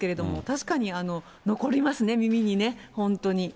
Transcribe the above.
確かに、残りますね、耳にね、本当に。